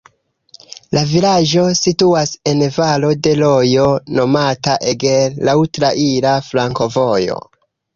La vilaĝo situas en valo de rojo nomata Eger, laŭ traira flankovojo.